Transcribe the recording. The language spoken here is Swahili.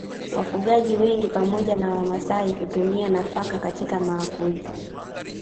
Wafugaji wengi pamoja na Wamasai hutumia nafaka katika maakuli